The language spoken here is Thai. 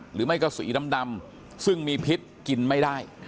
หรือไม่ก็สีดำซึ่งมีพิษกินไม่ได้